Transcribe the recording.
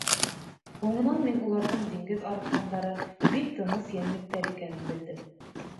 Һуңынан мин уларҙың диңгеҙ арыҫландары, бик тыныс йәнлектәр икәнен белдем.